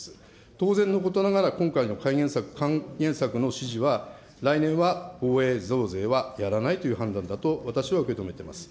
当然のことながら、今回の還元策の指示は、来年は防衛増税はやらないという判断だと、私は受け止めています。